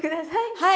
はい。